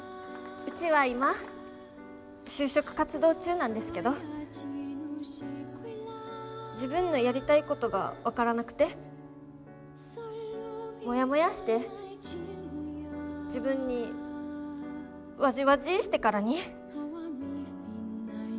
うちは今就職活動中なんですけど自分のやりたいことが分からなくてもやもやーして自分にわじわじーしてからに。